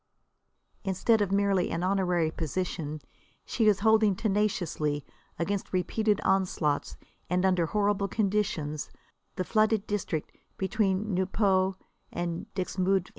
Instead of merely an honorary position, she is holding tenaciously, against repeated onslaughts and under horrible conditions, the flooded district between Nieuport and Dixmude.